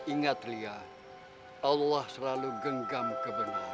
ingat lia allah selalu genggam kebenaran